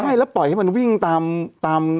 ไม่แล้วปล่อยให้มันวิ่งตาม